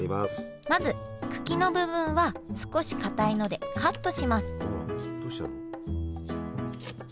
まず茎の部分は少しかたいのでカットします